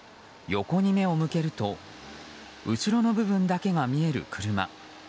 横に目を向けると後ろの部分だけが見える車。